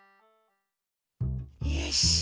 よし。